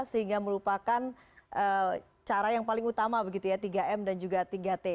sehingga melupakan cara yang paling utama begitu ya tiga m dan juga tiga t